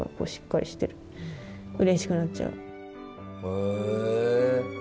へえ！